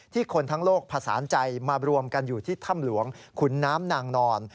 คนทั้งโลกผสานใจมารวมกันอยู่ที่ถ้ำหลวงขุนน้ำนางนอน